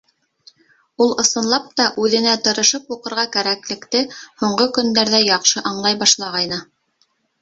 Ул, ысынлап та, үҙенә тырышып уҡырға кәрәклекте һуңғы көндәрҙә яҡшы аңлай башлағайны.